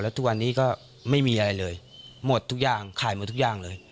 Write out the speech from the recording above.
ทุกวันนี้ก็ไม่มีอะไรเลยหมดทุกอย่างขายหมดทุกอย่างเลย